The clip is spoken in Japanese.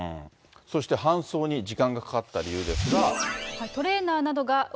そして搬送に時間がかかった理由ですが。